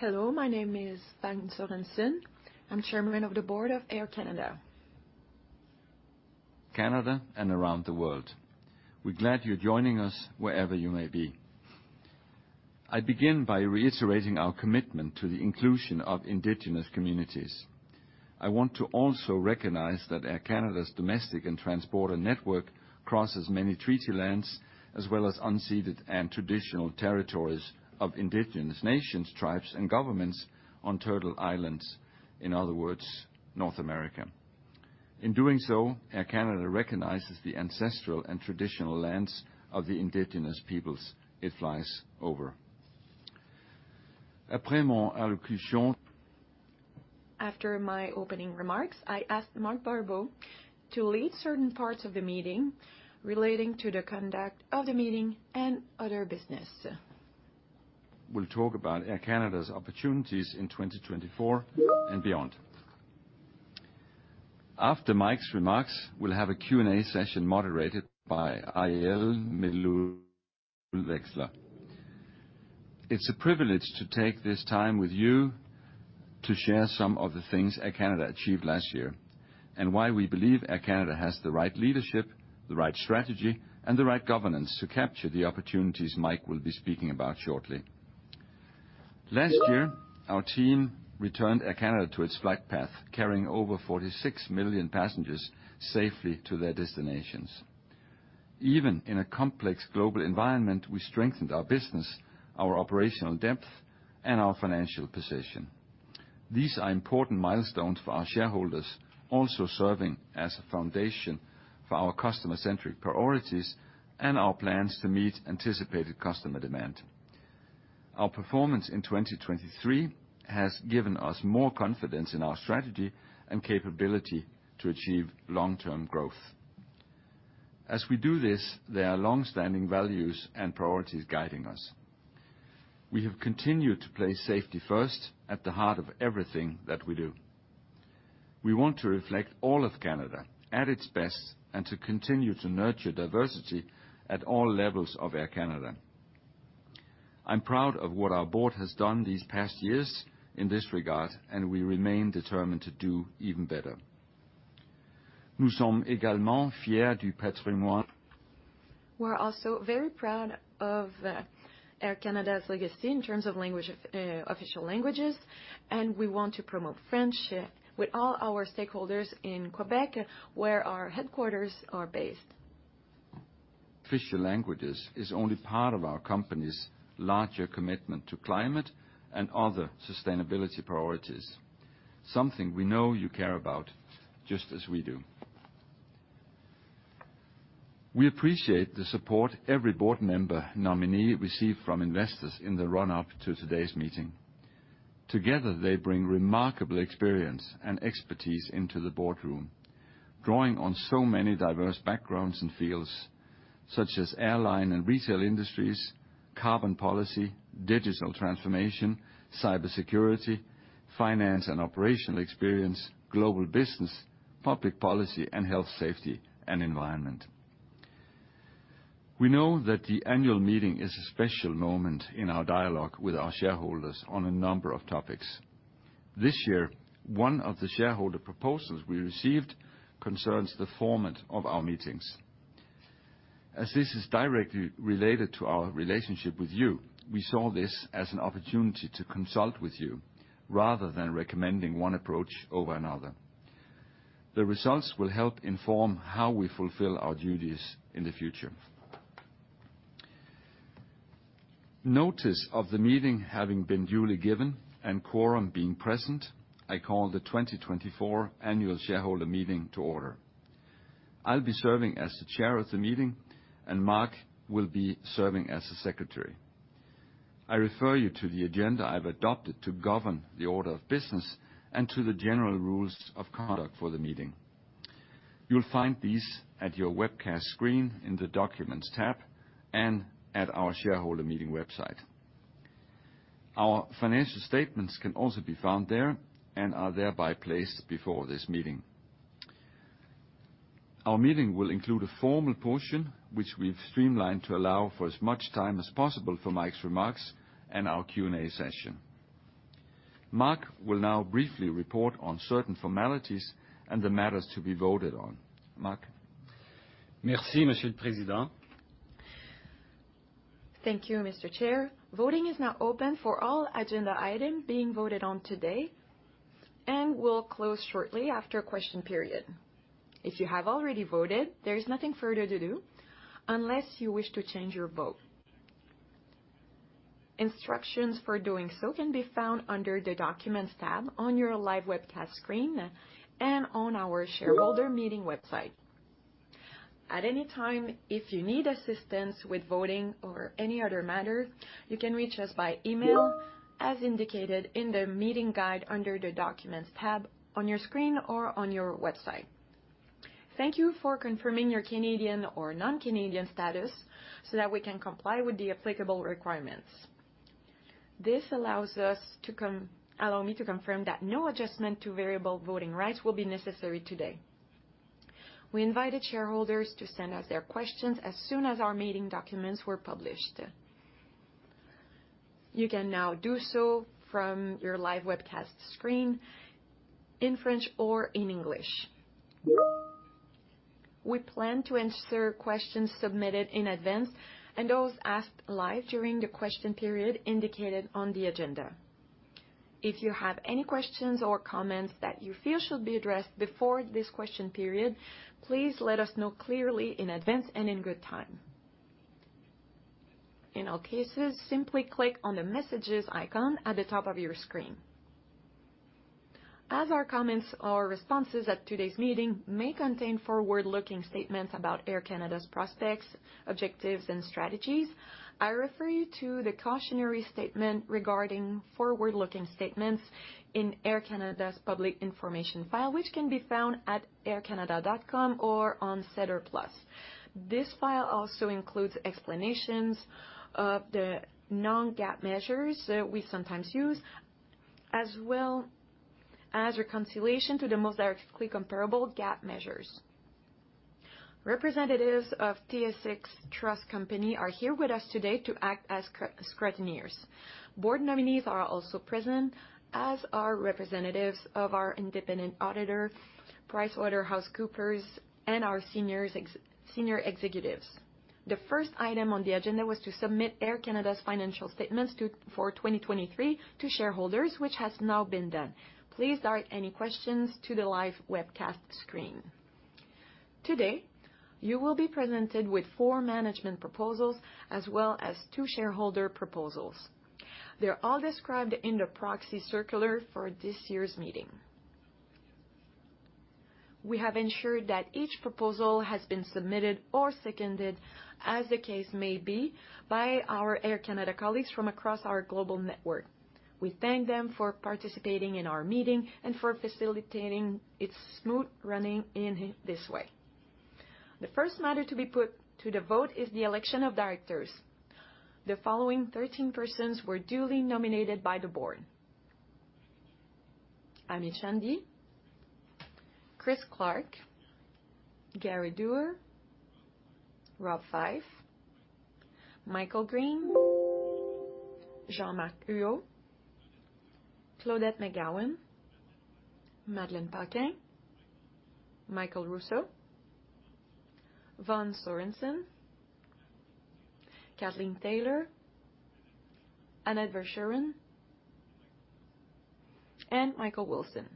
Hello, my name is Vagn Sørensen. I'm Chairman of the board of Air Canada. Canada, and around the world. We're glad you're joining us wherever you may be. I begin by reiterating our commitment to the inclusion of Indigenous Communities. I want to also recognize that Air Canada's domestic and transborder network crosses many treaty lands, as well as unceded and traditional territories of Indigenous Nations, tribes, and governments on Turtle Island, in other words, North America. In doing so, Air Canada recognizes the ancestral and traditional lands of the Indigenous peoples it flies over. After my opening remarks, I ask Marc Barbeau to lead certain parts of the meeting relating to the conduct of the meeting and other business. We'll talk about Air Canada's opportunities in 2024 and beyond. After Mike's remarks, we'll have a Q&A session moderated by Arielle Meloul-Wechsler. It's a privilege to take this time with you to share some of the things Air Canada achieved last year, and why we believe Air Canada has the right leadership, the right strategy, and the right governance to capture the opportunities Mike will be speaking about shortly. Last year, our team returned Air Canada to its flight path, carrying over 46 million passengers safely to their destinations. Even in a complex global environment, we strengthened our business, our operational depth, and our financial position. These are important milestones for our shareholders, also serving as a foundation for our customer-centric priorities and our plans to meet anticipated customer demand. Our performance in 2023 has given us more confidence in our strategy and capability to achieve long-term growth. As we do this, there are long-standing values and priorities guiding us. We have continued to place safety first at the heart of everything that we do. We want to reflect all of Canada at its best, and to continue to nurture diversity at all levels of Air Canada. I'm proud of what our board has done these past years in this regard, and we remain determined to do even better. We're also very proud of Air Canada's legacy in terms of language, official languages, and we want to promote friendship with all our stakeholders in Quebec, where our headquarters are based. Official languages is only part of our company's larger commitment to climate and other sustainability priorities, something we know you care about, just as we do. We appreciate the support every board member nominee received from investors in the run-up to today's meeting. Together, they bring remarkable experience and expertise into the boardroom, drawing on so many diverse backgrounds and fields, such as airline and retail industries, carbon policy, digital transformation, cybersecurity, finance and operational experience, global business, public policy, and health, safety, and environment. We know that the annual meeting is a special moment in our dialogue with our shareholders on a number of topics. This year, one of the shareholder proposals we received concerns the format of our meetings. As this is directly related to our relationship with you, we saw this as an opportunity to consult with you, rather than recommending one approach over another. The results will help inform how we fulfill our duties in the future. Notice of the meeting having been duly given and quorum being present, I call the 2024 annual shareholder meeting to order. I'll be serving as the chair of the meeting, and Marc will be serving as the secretary. I refer you to the agenda I've adopted to govern the order of business and to the general rules of conduct for the meeting. You'll find these at your webcast screen in the Documents tab and at our shareholder meeting website. Our financial statements can also be found there and are thereby placed before this meeting. Our meeting will include a formal portion, which we've streamlined to allow for as much time as possible for Mike's remarks and our Q&A session. Marc will now briefly report on certain formalities and the matters to be voted on. Marc? Thank you, Mr. Chair. Voting is now open for all agenda items being voted on today, and will close shortly after question period. If you have already voted, there is nothing further to do unless you wish to change your vote. Instructions for doing so can be found under the Documents tab on your live webcast screen and on our shareholder meeting website. At any time, if you need assistance with voting or any other matter, you can reach us by email, as indicated in the meeting guide under the Documents tab on your screen or on your website. Thank you for confirming your Canadian or non-Canadian status so that we can comply with the applicable requirements. This allows us to allow me to confirm that no adjustment to variable voting rights will be necessary today... We invited shareholders to send us their questions as soon as our meeting documents were published. You can now do so from your live webcast screen, in French or in English. We plan to answer questions submitted in advance, and those asked live during the question period indicated on the agenda. If you have any questions or comments that you feel should be addressed before this question period, please let us know clearly in advance and in good time. In all cases, simply click on the Messages icon at the top of your screen. As our comments or responses at today's meeting may contain forward-looking statements about Air Canada's prospects, objectives, and strategies, I refer you to the cautionary statement regarding forward-looking statements in Air Canada's public information file, which can be found at aircanada.com or on SEDAR+. This file also includes explanations of the Non-GAAP measures that we sometimes use, as well as reconciliation to the most directly comparable GAAP measures. Representatives of TSX Trust Company are here with us today to act as scrutineers. Board nominees are also present, as are representatives of our independent auditor, PricewaterhouseCoopers, and our senior executives. The first item on the agenda was to submit Air Canada's financial statements for 2023 to shareholders, which has now been done. Please direct any questions to the live webcast screen. Today, you will be presented with four management proposals as well as two shareholder proposals. They're all described in the proxy circular for this year's meeting. We have ensured that each proposal has been submitted or seconded, as the case may be, by our Air Canada colleagues from across our global network. We thank them for participating in our meeting and for facilitating its smooth running in this way. The first matter to be put to the vote is the election of directors. The following 13 persons were duly nominated by the board: Amee Chande, Christie J.B. Clark, Gary A. Doer, Rob Fyfe, Michael M. Green, Jean-Marc Huot, Claudette McGowan, Madeleine Paquin, Michael Rousseau, Vagn Sørensen, Kathleen Taylor, Annette Verschuren, and Michael M. Wilson.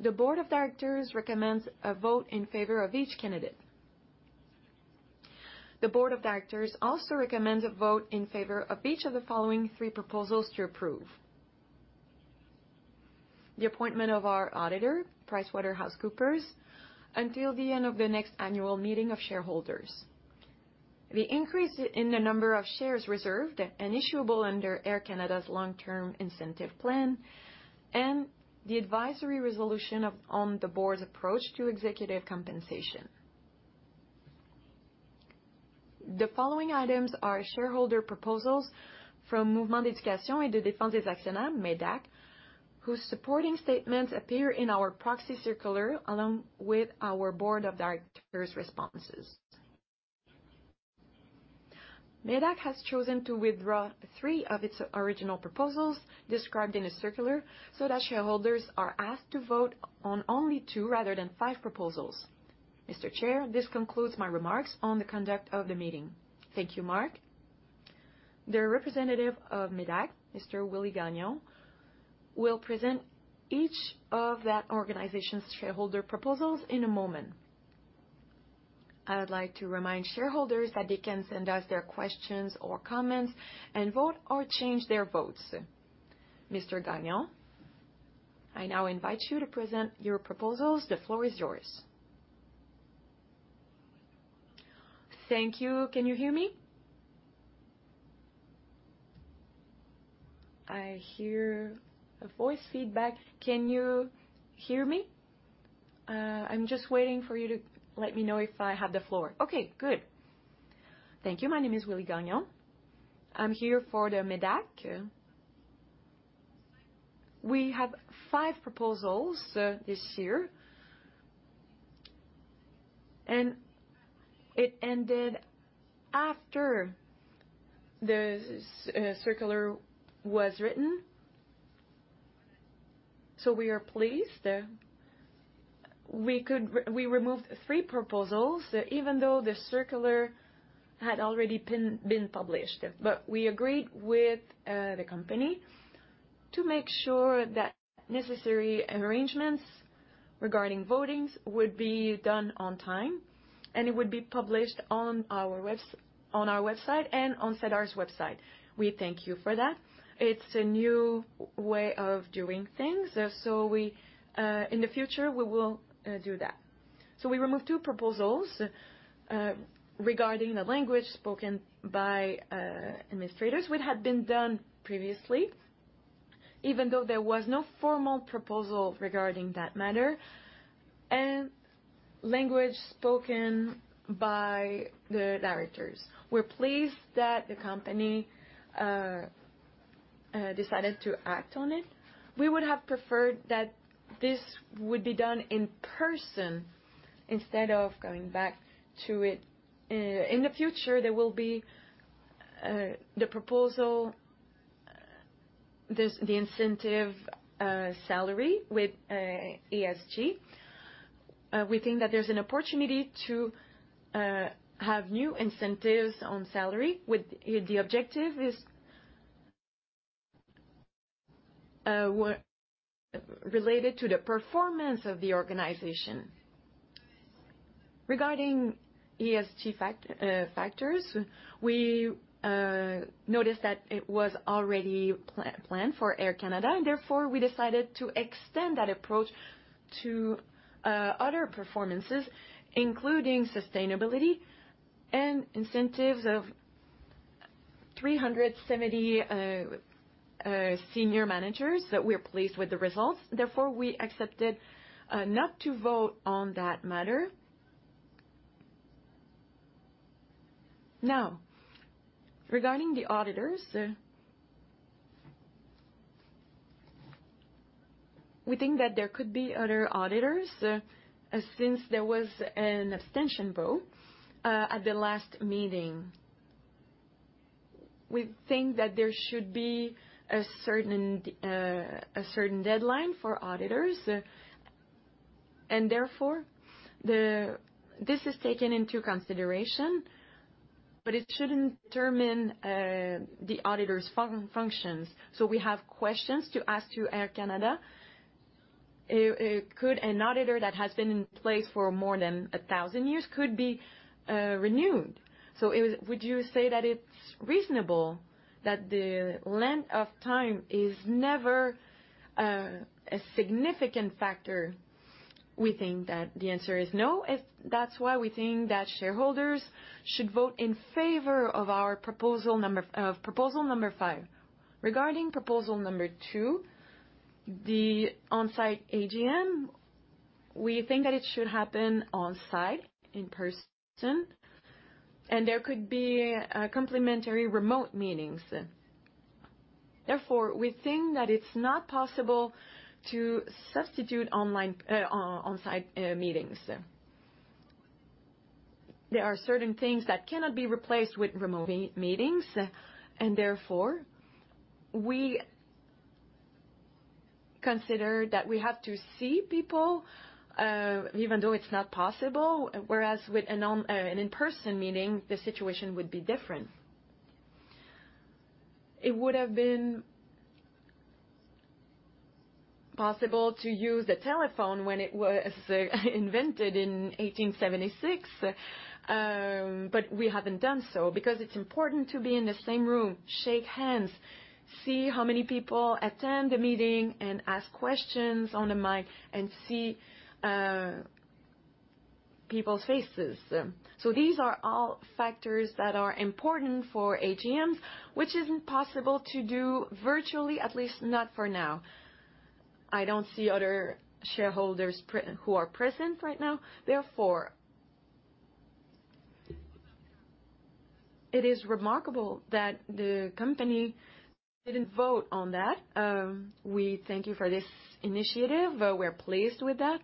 The board of directors recommends a vote in favor of each candidate. The board of directors also recommends a vote in favor of each of the following three proposals to approve: the appointment of our auditor, PricewaterhouseCoopers, until the end of the next annual meeting of shareholders, the increase in the number of shares reserved and issuable under Air Canada's Long-Term Incentive Plan, and the advisory resolution of, on the board's approach to executive compensation. The following items are shareholder proposals from Mouvement d'éducation et de défense des actionnaires, MEDAC, whose supporting statements appear in our proxy circular, along with our board of directors' responses. MEDAC has chosen to withdraw three of its original proposals described in a circular, so that shareholders are asked to vote on only two rather than five proposals. Mr. Chair, this concludes my remarks on the conduct of the meeting. Thank you, Marc. The representative of MEDAC, Mr. Willie Gagnon, will present each of that organization's shareholder proposals in a moment. I would like to remind shareholders that they can send us their questions or comments and vote or change their votes. Mr. Gagnon, I now invite you to present your proposals. The floor is yours. Thank you. Can you hear me? I hear a voice feedback. Can you hear me? I'm just waiting for you to let me know if I have the floor. Okay, good. Thank you. My name is Willie Gagnon. I'm here for the MÉDAC. We have five proposals this year, and it ended after the circular was written, so we are pleased that we removed three proposals, even though the circular had already been published. But we agreed with the company to make sure that necessary arrangements regarding votings would be done on time, and it would be published on our website and on SEDAR's website. We thank you for that. It's a new way of doing things, so in the future, we will do that. So we removed two proposals, regarding the language spoken by administrators, which had been done previously, even though there was no formal proposal regarding that matter, language spoken by the directors. We're pleased that the company decided to act on it. We would have preferred that this would be done in person instead of going back to it. In the future, there will be the proposal, there's the incentive, salary with ESG. We think that there's an opportunity to have new incentives on salary with the objective is related to the performance of the organization. Regarding ESG factors, we noticed that it was already planned for Air Canada, and therefore, we decided to extend that approach to other performances, including sustainability and incentives of 370 senior managers, that we're pleased with the results. Therefore, we accepted not to vote on that matter. Now, regarding the auditors, we think that there could be other auditors, since there was an abstention vote at the last meeting. We think that there should be a certain deadline for auditors, and therefore, this is taken into consideration, but it shouldn't determine the auditor's functions. So we have questions to ask to Air Canada. Could an auditor that has been in place for more than 1,000 years could be renewed? Would you say that it's reasonable that the length of time is never a significant factor? We think that the answer is no, that's why we think that shareholders should vote in favor of our proposal number proposal number five. Regarding proposal number two, the on-site AGM, we think that it should happen on-site, in person, and there could be complementary remote meetings. Therefore, we think that it's not possible to substitute online on-site meetings. There are certain things that cannot be replaced with remote meetings, and therefore, we consider that we have to see people even though it's not possible, whereas with an in-person meeting, the situation would be different. It would have been possible to use the telephone when it was invented in 1876, but we haven't done so because it's important to be in the same room, shake hands, see how many people attend the meeting, and ask questions on the mic and see people's faces. So these are all factors that are important for AGMs, which isn't possible to do virtually, at least not for now. I don't see other shareholders who are present right now. Therefore, it is remarkable that the company didn't vote on that. We thank you for this initiative. We're pleased with that.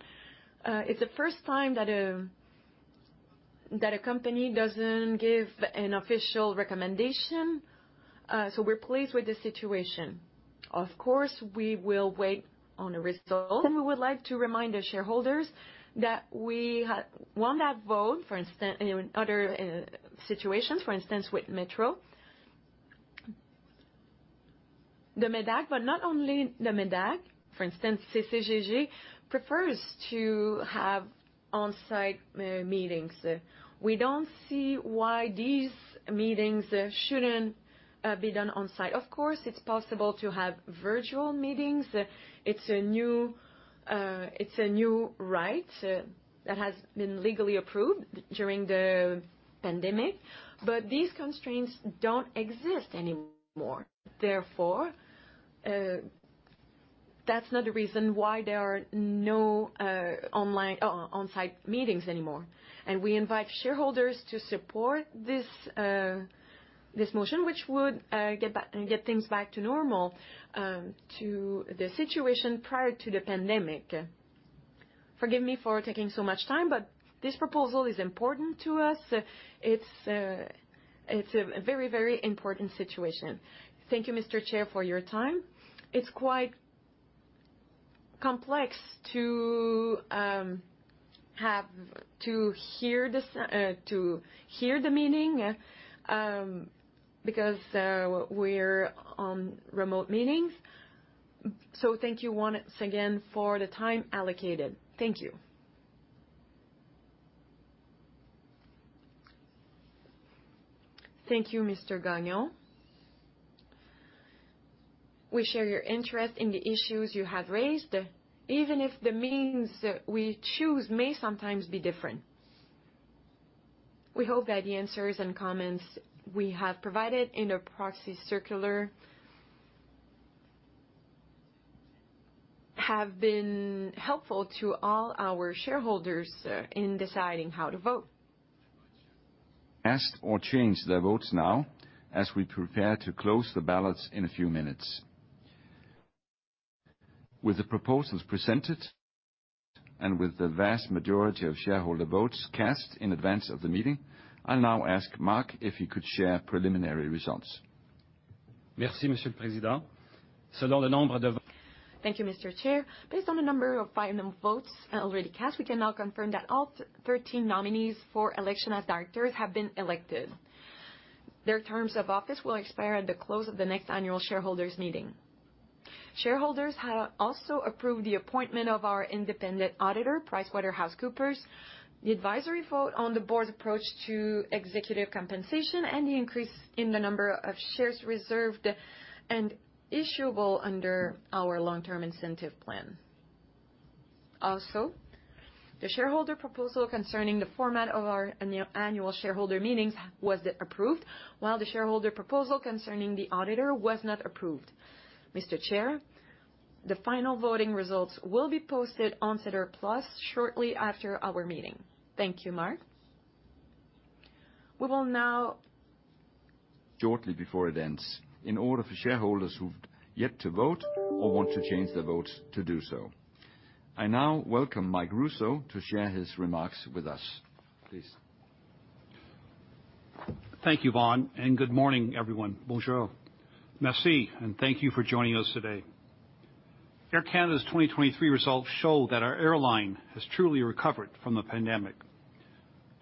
It's the first time that a company doesn't give an official recommendation, so we're pleased with the situation. Of course, we will wait on the result, and we would like to remind the shareholders that we had won that vote, for instance, in other situations, for instance, with Metro. The MÉDAC, but not only the MÉDAC, for instance, CCGG, prefers to have on-site meetings. We don't see why these meetings shouldn't be done on-site. Of course, it's possible to have virtual meetings. It's a new right that has been legally approved during the pandemic, but these constraints don't exist anymore. Therefore, that's not the reason why there are no online on-site meetings anymore, and we invite shareholders to support this motion, which would get things back to normal, to the situation prior to the pandemic. Forgive me for taking so much time, but this proposal is important to us. It's, it's a very, very important situation. Thank you, Mr. Chair, for your time. It's quite complex to have to hear the meeting, because we're on remote meetings, so thank you once again for the time allocated. Thank you. Thank you, Mr. Gagnon. We share your interest in the issues you have raised, even if the means we choose may sometimes be different. We hope that the answers and comments we have provided in the proxy circular have been helpful to all our shareholders in deciding how to vote. Cast or change their votes now as we prepare to close the ballots in a few minutes. With the proposals presented and with the vast majority of shareholder votes cast in advance of the meeting, I'll now ask Marc if he could share preliminary results. Merci, Monsieur le Président. So the number of- Thank you, Mr. Chair. Based on the number of final votes already cast, we can now confirm that all 13 nominees for election as directors have been elected. Their terms of office will expire at the close of the next annual shareholders meeting. Shareholders have also approved the appointment of our independent auditor, PricewaterhouseCoopers, the advisory vote on the board's approach to executive compensation, and the increase in the number of shares reserved and issuable under our long-term incentive plan. Also, the shareholder proposal concerning the format of our annual shareholder meetings was approved, while the shareholder proposal concerning the auditor was not approved. Mr. Chair, the final voting results will be posted on SEDAR+ shortly after our meeting. Thank you, Marc. We will now- Shortly before it ends, in order for shareholders who've yet to vote or want to change their votes, to do so. I now welcome Mike Rousseau to share his remarks with us. Please. Thank you, Vagn, and good morning, everyone. Bonjour. Merci, and thank you for joining us today. Air Canada's 2023 results show that our airline has truly recovered from the pandemic.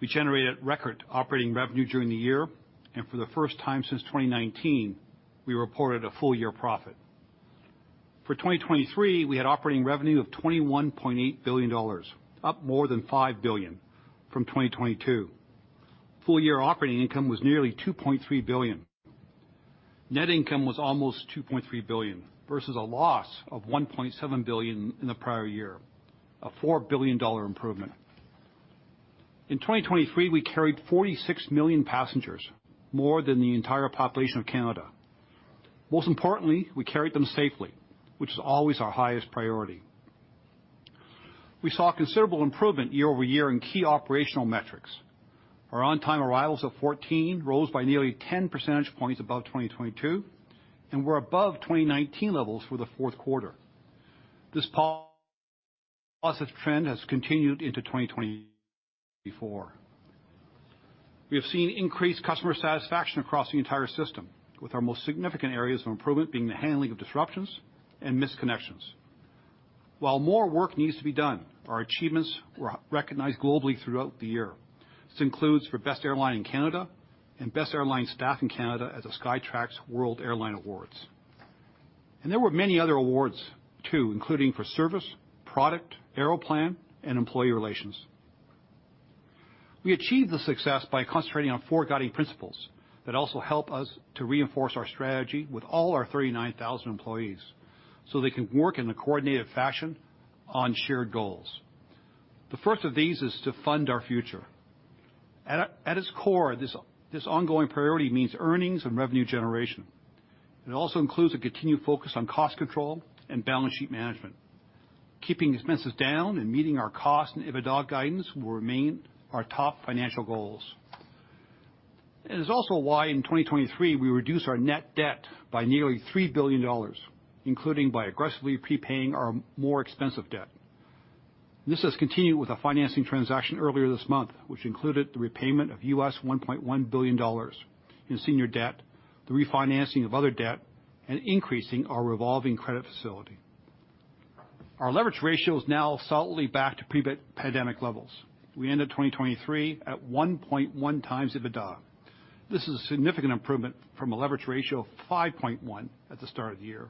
We generated record operating revenue during the year, and for the first time since 2019, we reported a full-year profit. For 2023, we had operating revenue of 21.8 billion dollars, up more than 5 billion from 2022. Full year operating income was nearly 2.3 billion. Net income was almost 2.3 billion, versus a loss of 1.7 billion in the prior year, a 4 billion dollar improvement. In 2023, we carried 46 million passengers, more than the entire population of Canada. Most importantly, we carried them safely, which is always our highest priority. We saw a considerable improvement year-over-year in key operational metrics. Our on-time arrivals of 14 rose by nearly 10 percentage points above 2022, and we're above 2019 levels for the fourth quarter. This positive trend has continued into 2024. We have seen increased customer satisfaction across the entire system, with our most significant areas of improvement being the handling of disruptions and missed connections. While more work needs to be done, our achievements were recognized globally throughout the year. This includes for Best Airline in Canada and Best Airline Staff in Canada at the Skytrax World Airline Awards. There were many other awards, too, including for service, product, Aeroplan, and employee relations. We achieved this success by concentrating on four guiding principles that also help us to reinforce our strategy with all our 39,000 employees, so they can work in a coordinated fashion on shared goals. The first of these is to fund our future. At its core, this ongoing priority means earnings and revenue generation. It also includes a continued focus on cost control and balance sheet management. Keeping expenses down and meeting our cost and EBITDA guidance will remain our top financial goals. It is also why in 2023, we reduced our net debt by nearly 3 billion dollars, including by aggressively prepaying our more expensive debt. This has continued with a financing transaction earlier this month, which included the repayment of $1.1 billion in senior debt, the refinancing of other debt, and increasing our revolving credit facility. Our leverage ratio is now solidly back to pre-pandemic levels. We ended 2023 at 1.1x EBITDA. This is a significant improvement from a leverage ratio of 5.1 at the start of the year.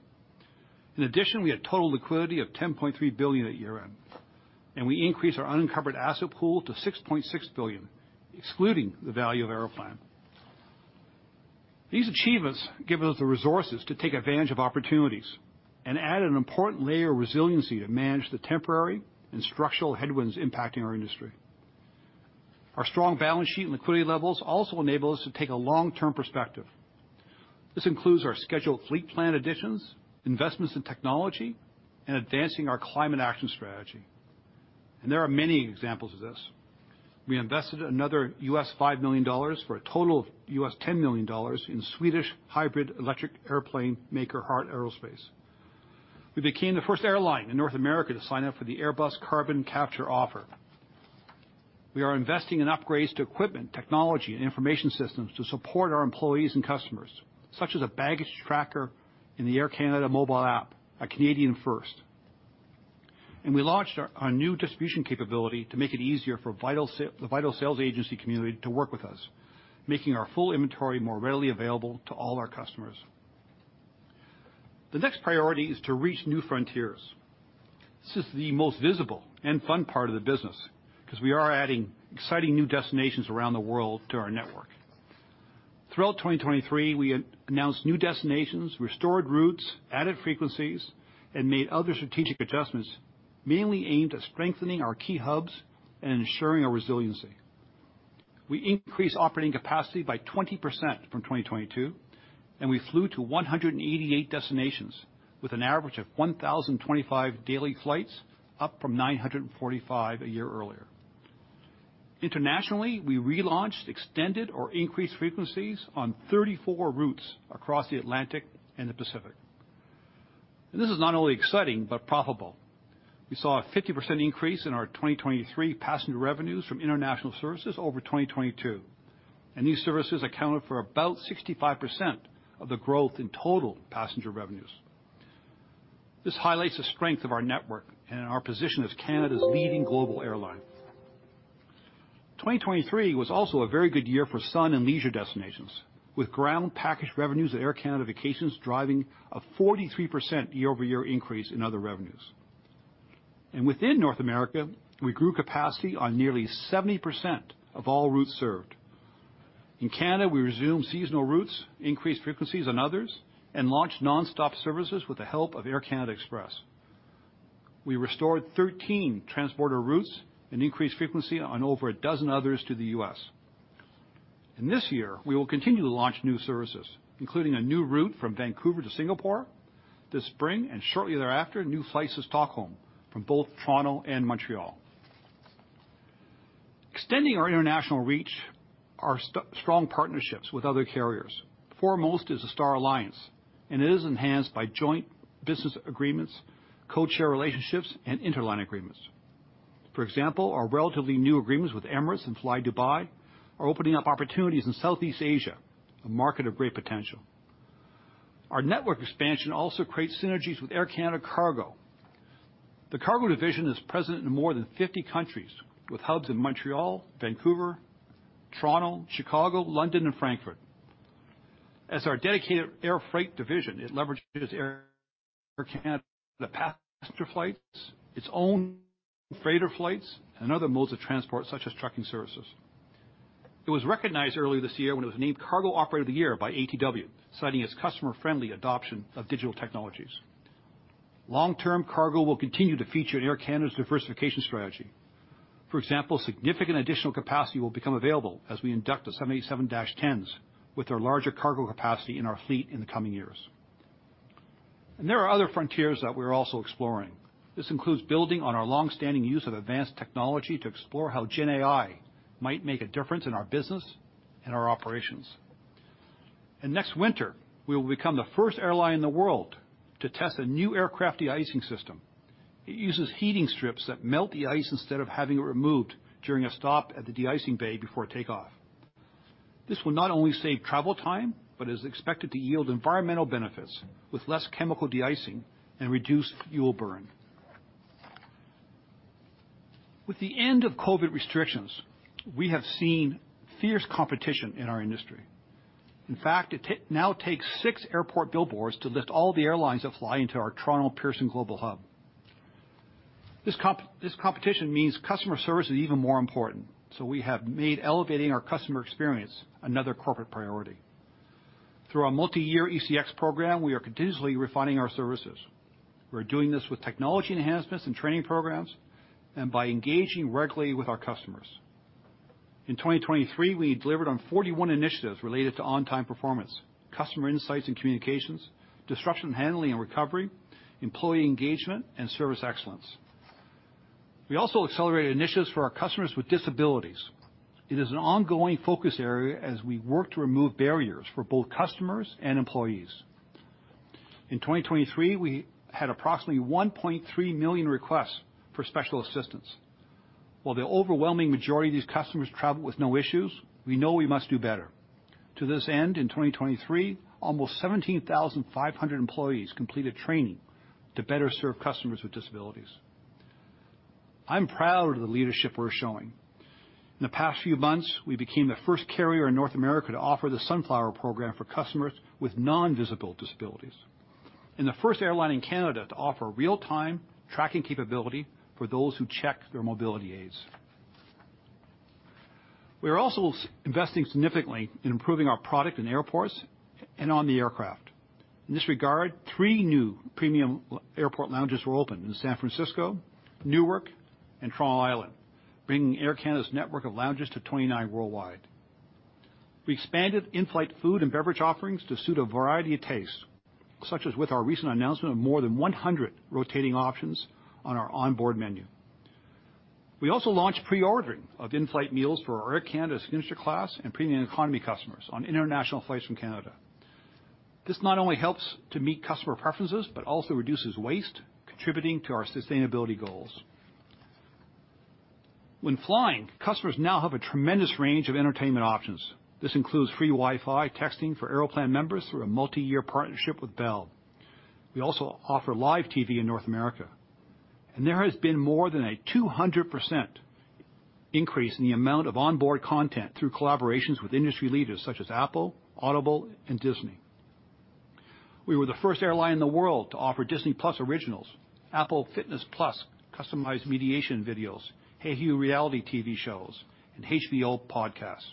In addition, we had total liquidity of 10.3 billion at year-end, and we increased our unencumbered asset pool to 6.6 billion, excluding the value of Aeroplan. These achievements give us the resources to take advantage of opportunities and add an important layer of resiliency to manage the temporary and structural headwinds impacting our industry. Our strong balance sheet and liquidity levels also enable us to take a long-term perspective. This includes our scheduled fleet plan additions, investments in technology, and advancing our climate action strategy. And there are many examples of this. We invested another $5 million, for a total of $10 million, in Swedish hybrid electric airplane maker Heart Aerospace. We became the first airline in North America to sign up for the Airbus Carbon Capture offer. We are investing in upgrades to equipment, technology, and information systems to support our employees and customers, such as a baggage tracker in the Air Canada mobile app, a Canadian first. And we launched our new distribution capability to make it easier for the vital sales agency community to work with us, making our full inventory more readily available to all our customers. The next priority is to reach new frontiers. This is the most visible and fun part of the business, because we are adding exciting new destinations around the world to our network. Throughout 2023, we announced new destinations, restored routes, added frequencies, and made other strategic adjustments, mainly aimed at strengthening our key hubs and ensuring our resiliency. We increased operating capacity by 20% from 2022, and we flew to 188 destinations with an average of 1,025 daily flights, up from 945 a year earlier. Internationally, we relaunched, extended, or increased frequencies on 34 routes across the Atlantic and the Pacific. This is not only exciting, but profitable. We saw a 50% increase in our 2023 passenger revenues from international services over 2022, and these services accounted for about 65% of the growth in total passenger revenues. This highlights the strength of our network and our position as Canada's leading global airline. 2023 was also a very good year for sun and leisure destinations, with ground package revenues at Air Canada Vacations driving a 43% year-over-year increase in other revenues. Within North America, we grew capacity on nearly 70% of all routes served. In Canada, we resumed seasonal routes, increased frequencies on others, and launched nonstop services with the help of Air Canada Express. We restored 13 transborder routes and increased frequency on over a dozen others to the US. This year, we will continue to launch new services, including a new route from Vancouver to Singapore this spring, and shortly thereafter, new flights to Stockholm from both Toronto and Montreal. Extending our international reach are strong partnerships with other carriers. Foremost is the Star Alliance, and it is enhanced by joint business agreements, codeshare relationships, and interline agreements. For example, our relatively new agreements with Emirates and flydubai are opening up opportunities in Southeast Asia, a market of great potential. Our network expansion also creates synergies with Air Canada Cargo. The cargo division is present in more than 50 countries, with hubs in Montreal, Vancouver, Toronto, Chicago, London, and Frankfurt. As our dedicated air freight division, it leverages Air Canada, the passenger flights, its own freighter flights, and other modes of transport, such as trucking services. It was recognized earlier this year when it was named Cargo Operator of the Year by ATW, citing its customer-friendly adoption of digital technologies. Long-term, cargo will continue to feature in Air Canada's diversification strategy. For example, significant additional capacity will become available as we induct the 787-10s with their larger cargo capacity in our fleet in the coming years. And there are other frontiers that we're also exploring. This includes building on our long-standing use of advanced technology to explore how GenAI might make a difference in our business and our operations. Next winter, we will become the first airline in the world to test a new aircraft de-icing system. It uses heating strips that melt the ice instead of having it removed during a stop at the de-icing bay before takeoff. This will not only save travel time, but is expected to yield environmental benefits with less chemical de-icing and reduced fuel burn. With the end of COVID restrictions, we have seen fierce competition in our industry. In fact, it now takes six airport billboards to list all the airlines that fly into our Toronto Pearson global hub. This competition means customer service is even more important, so we have made elevating our customer experience another corporate priority. Through our multi-year ECX program, we are continuously refining our services. We're doing this with technology enhancements and training programs, and by engaging regularly with our customers. In 2023, we delivered on 41 initiatives related to on-time performance, customer insights and communications, disruption handling and recovery, employee engagement, and service excellence. We also accelerated initiatives for our customers with disabilities. It is an ongoing focus area as we work to remove barriers for both customers and employees. In 2023, we had approximately 1.3 million requests for special assistance. While the overwhelming majority of these customers travel with no issues, we know we must do better. To this end, in 2023, almost 17,500 employees completed training to better serve customers with disabilities. I'm proud of the leadership we're showing. In the past few months, we became the first carrier in North America to offer the Sunflower program for customers with non-visible disabilities, and the first airline in Canada to offer real-time tracking capability for those who check their mobility aids. We are also investing significantly in improving our product in airports and on the aircraft. In this regard, three new premium airport lounges were opened in San Francisco, Newark, and Toronto Island, bringing Air Canada's network of lounges to 29 worldwide. We expanded in-flight food and beverage offerings to suit a variety of tastes, such as with our recent announcement of more than 100 rotating options on our onboard menu. We also launched pre-ordering of in-flight meals for our Air Canada Signature Class and Premium Economy customers on international flights from Canada. This not only helps to meet customer preferences, but also reduces waste, contributing to our sustainability goals. When flying, customers now have a tremendous range of entertainment options. This includes free Wi-Fi, texting for Aeroplan members through a multi-year partnership with Bell. We also offer live TV in North America, and there has been more than a 200% increase in the amount of onboard content through collaborations with industry leaders such as Apple, Audible, and Disney. We were the first airline in the world to offer Disney+ originals, Apple Fitness+ customized meditation videos, hayu reality TV shows, and HBO podcasts.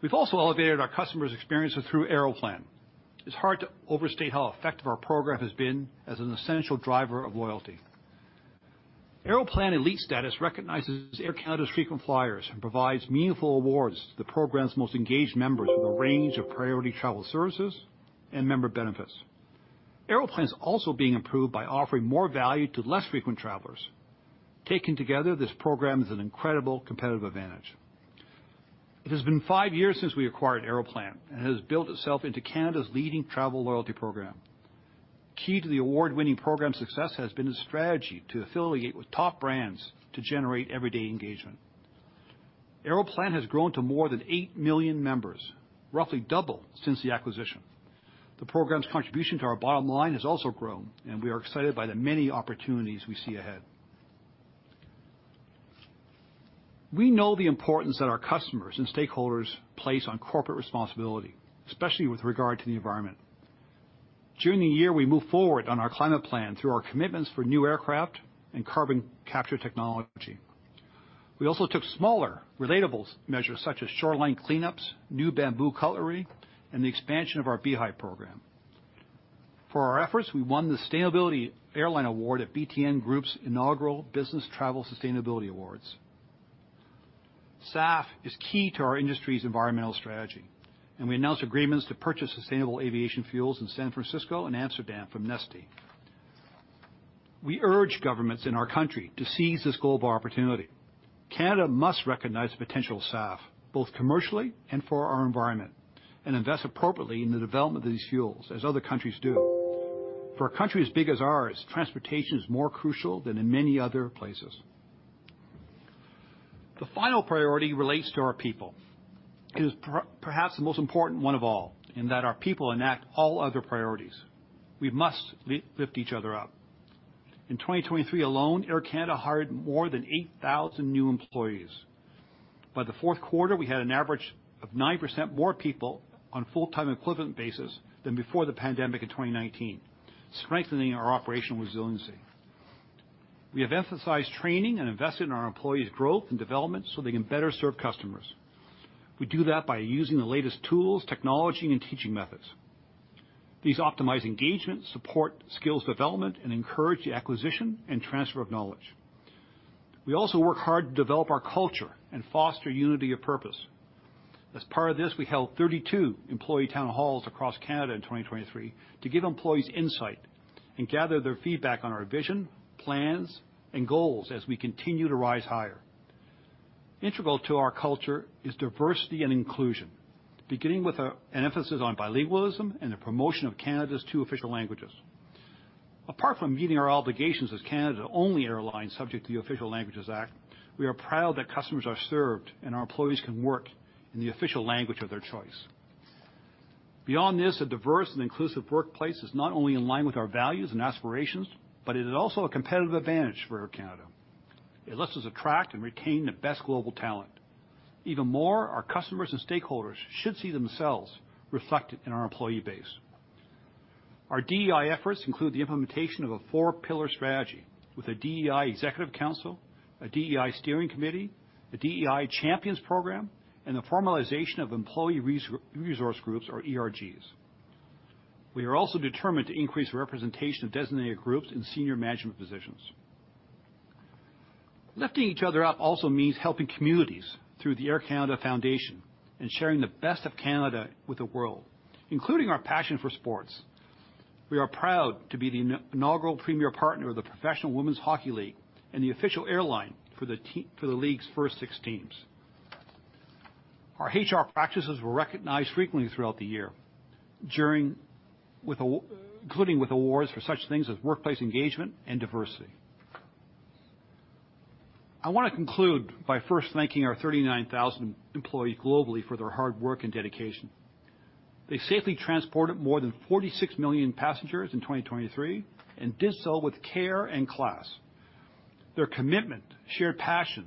We've also elevated our customers' experience through Aeroplan. It's hard to overstate how effective our program has been as an essential driver of loyalty. Aeroplan Elite status recognizes Air Canada's frequent flyers and provides meaningful awards to the program's most engaged members with a range of priority travel services and member benefits. Aeroplan is also being improved by offering more value to less frequent travelers. Taken together, this program is an incredible competitive advantage. It has been five years since we acquired Aeroplan, and it has built itself into Canada's leading travel loyalty program. Key to the award-winning program's success has been a strategy to affiliate with top brands to generate everyday engagement. Aeroplan has grown to more than 8 million members, roughly double since the acquisition. The program's contribution to our bottom line has also grown, and we are excited by the many opportunities we see ahead. We know the importance that our customers and stakeholders place on corporate responsibility, especially with regard to the environment. During the year, we moved forward on our climate plan through our commitments for new aircraft and carbon capture technology. We also took smaller, relatable measures such as shoreline cleanups, new bamboo cutlery, and the expansion of our Beehive program. For our efforts, we won the Sustainability Airline Award at BTN Group's inaugural Business Travel Sustainability Awards. SAF is key to our industry's environmental strategy, and we announced agreements to purchase sustainable aviation fuels in San Francisco and Amsterdam from Neste. We urge governments in our country to seize this global opportunity. Canada must recognize the potential of SAF, both commercially and for our environment, and invest appropriately in the development of these fuels, as other countries do. For a country as big as ours, transportation is more crucial than in many other places. The final priority relates to our people. It is perhaps the most important one of all, in that our people enact all other priorities. We must lift each other up. In 2023 alone, Air Canada hired more than 8,000 new employees. By the fourth quarter, we had an average of 9% more people on a full-time equivalent basis than before the pandemic in 2019, strengthening our operational resiliency. We have emphasized training and invested in our employees' growth and development so they can better serve customers. We do that by using the latest tools, technology, and teaching methods. These optimize engagement, support skills development, and encourage the acquisition and transfer of knowledge. We also work hard to develop our culture and foster unity of purpose. As part of this, we held 32 employee town halls across Canada in 2023 to give employees insight and gather their feedback on our vision, plans, and goals as we continue to rise higher. Integral to our culture is diversity and inclusion, beginning with an emphasis on bilingualism and the promotion of Canada's two official languages. Apart from meeting our obligations as Canada's only airline subject to the Official Languages Act, we are proud that customers are served and our employees can work in the official language of their choice. Beyond this, a diverse and inclusive workplace is not only in line with our values and aspirations, but it is also a competitive advantage for Air Canada. It lets us attract and retain the best global talent. Even more, our customers and stakeholders should see themselves reflected in our employee base. Our DEI efforts include the implementation of a four-pillar strategy with a DEI executive council, a DEI steering committee, a DEI champions program, and the formalization of employee resource groups or ERGs. We are also determined to increase representation of designated groups in senior management positions. Lifting each other up also means helping communities through the Air Canada Foundation and sharing the best of Canada with the world, including our passion for sports. We are proud to be the inaugural premier partner of the Professional Women's Hockey League and the official airline for the team, for the league's first six teams. Our HR practices were recognized frequently throughout the year, including with awards for such things as workplace engagement and diversity. I want to conclude by first thanking our 39,000 employees globally for their hard work and dedication. They safely transported more than 46 million passengers in 2023 and did so with care and class. Their commitment, shared passion,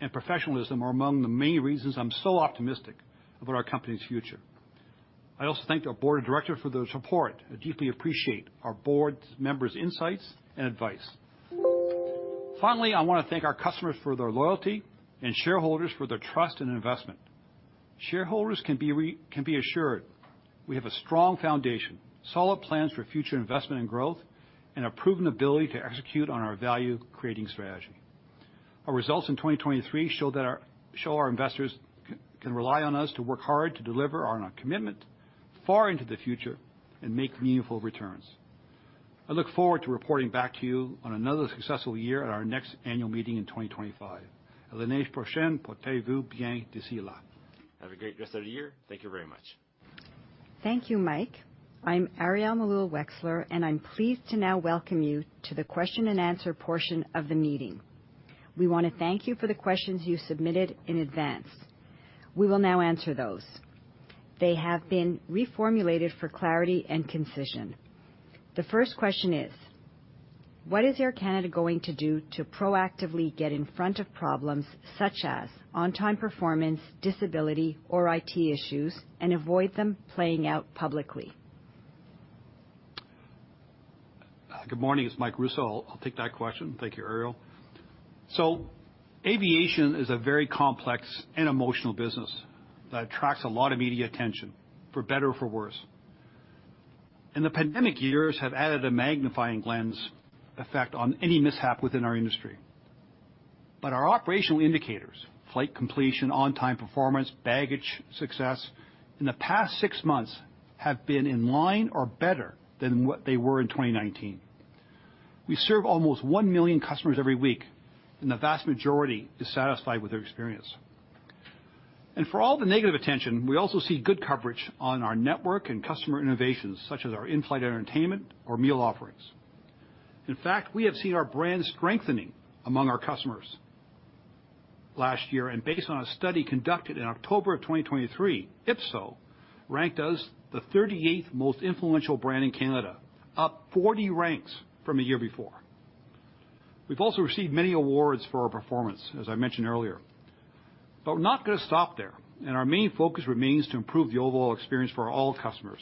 and professionalism are among the many reasons I'm so optimistic about our company's future. I also thank our board of directors for their support. I deeply appreciate our board members' insights and advice. Finally, I want to thank our customers for their loyalty and shareholders for their trust and investment. Shareholders can be assured we have a strong foundation, solid plans for future investment and growth, and a proven ability to execute on our value-creating strategy. Our results in 2023 show that our investors can rely on us to work hard to deliver on our commitment far into the future and make meaningful returns. I look forward to reporting back to you on another successful year at our next annual meeting in 2025. Have a great rest of the year. Thank you very much. Thank you, Mike. I'm Arielle Meloul-Wechsler, and I'm pleased to now welcome you to the question-and-answer portion of the meeting. We want to thank you for the questions you submitted in advance. We will now answer those. They have been reformulated for clarity and concision. The first question is: What is Air Canada going to do to proactively get in front of problems such as on-time performance, disability, or IT issues, and avoid them playing out publicly? Good morning, it's Mike Rousseau. I'll take that question. Thank you, Arielle. So aviation is a very complex and emotional business that attracts a lot of media attention, for better or for worse, and the pandemic years have added a magnifying lens effect on any mishap within our industry. But our operational indicators, flight completion, on-time performance, baggage success, in the past 6 months have been in line or better than what they were in 2019. We serve almost 1 million customers every week, and the vast majority is satisfied with their experience. And for all the negative attention, we also see good coverage on our network and customer innovations, such as our in-flight entertainment or meal offerings. In fact, we have seen our brand strengthening among our customers last year, and based on a study conducted in October of 2023, Ipsos ranked us the 38th most influential brand in Canada, up 40 ranks from the year before. We've also received many awards for our performance, as I mentioned earlier, but we're not gonna stop there, and our main focus remains to improve the overall experience for all customers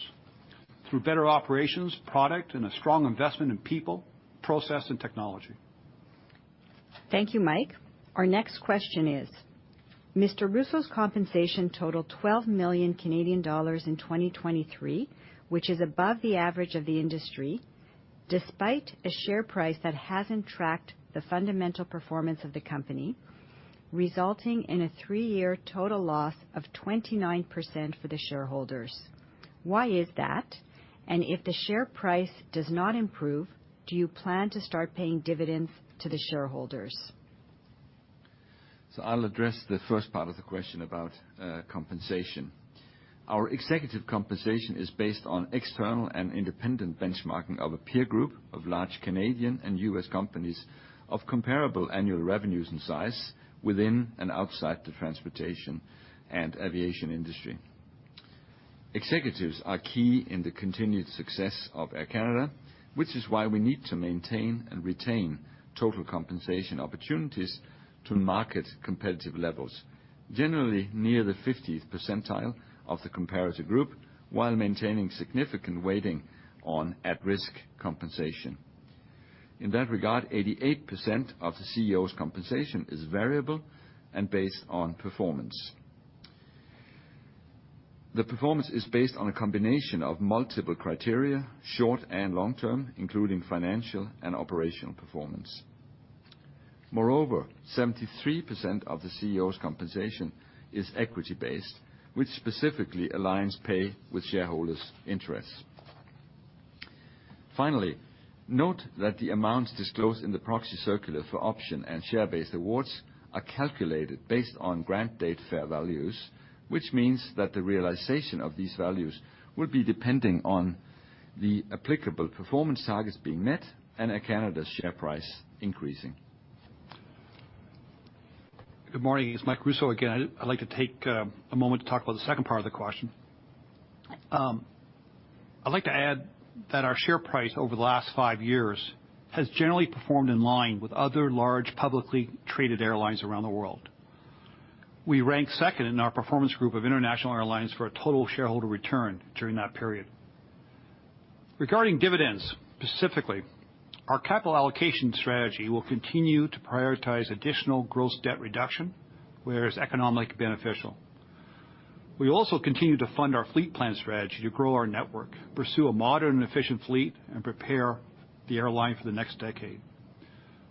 through better operations, product, and a strong investment in people, process, and technology. Thank you, Mike. Our next question is: Mr. Rousseau's compensation totaled 12 million Canadian dollars in 2023, which is above the average of the industry, despite a share price that hasn't tracked the fundamental performance of the company, resulting in a three-year total loss of 29% for the shareholders. Why is that? And if the share price does not improve, do you plan to start paying dividends to the shareholders? So I'll address the first part of the question about compensation. Our executive compensation is based on external and independent benchmarking of a peer group of large Canadian and US companies of comparable annual revenues and size within and outside the transportation and aviation industry. Executives are key in the continued success of Air Canada, which is why we need to maintain and retain total compensation opportunities to market competitive levels, generally near the 50th percentile of the comparator group, while maintaining significant weighting on at-risk compensation. In that regard, 88% of the CEO's compensation is variable and based on performance. The performance is based on a combination of multiple criteria, short and long term, including financial and operational performance. Moreover, 73% of the CEO's compensation is equity-based, which specifically aligns pay with shareholders' interests. Finally, note that the amounts disclosed in the proxy circular for option and share-based awards are calculated based on grant date fair values, which means that the realization of these values will be depending on the applicable performance targets being met and Air Canada's share price increasing. Good morning, it's Mike Rousseau again. I'd like to take a moment to talk about the second part of the question. I'd like to add that our share price over the last five years has generally performed in line with other large, publicly traded airlines around the world. We ranked second in our performance group of international airlines for a total shareholder return during that period. Regarding dividends, specifically, our capital allocation strategy will continue to prioritize additional gross debt reduction, where it's economically beneficial. We also continue to fund our fleet plan strategy to grow our network, pursue a modern and efficient fleet, and prepare the airline for the next decade.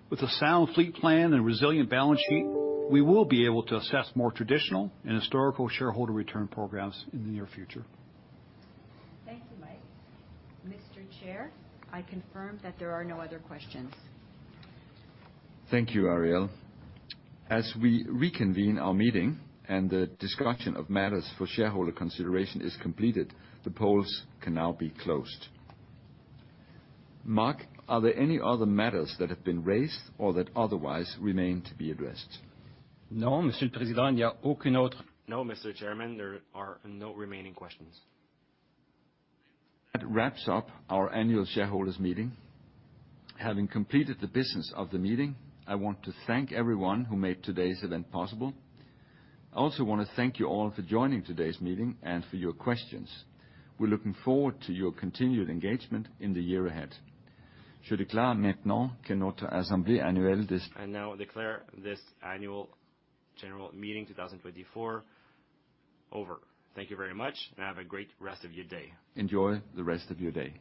With a sound fleet plan and resilient balance sheet, we will be able to assess more traditional and historical shareholder return programs in the near future. Thank you, Mike. Mr. Chair, I confirm that there are no other questions. Thank you, Arielle. As we reconvene our meeting, and the discussion of matters for shareholder consideration is completed, the polls can now be closed. Marc, are there any other matters that have been raised or that otherwise remain to be addressed? No, Mr. Chairman, there are no remaining questions. That wraps up our annual shareholders meeting. Having completed the business of the meeting, I want to thank everyone who made today's event possible. I also want to thank you all for joining today's meeting and for your questions. We're looking forward to your continued engagement in the year ahead. I now declare this annual general meeting 2024 over. Thank you very much, and have a great rest of your day. Enjoy the rest of your day.